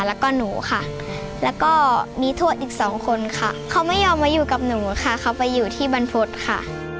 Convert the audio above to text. แล้วก็หนูค่ะแล้วก็มีทวดอีกสองคนค่ะเขาไม่ยอมมาอยู่กับหนูค่ะเขาไปอยู่ที่บรรพฤษค่ะ